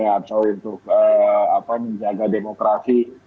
atau untuk menjaga demokrasi